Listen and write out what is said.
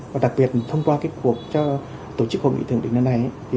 và đặc biệt thông qua cuộc cho tổ chức hội nghị thượng đỉnh này